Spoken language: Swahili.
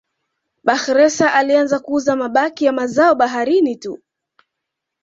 Bakhresa alianza kuuza mabaki ya mazao ya baharini tu